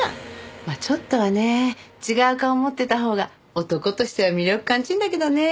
まあちょっとはね違う顔持ってたほうが男としては魅力感じるんだけどね。